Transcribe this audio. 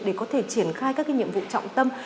để có thể triển khai các nhiệm vụ trọng tâm